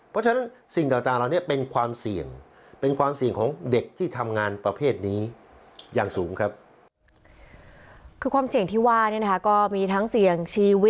เพราะฉะนั้นสิ่งต่างเราเป็นความเสี่ยง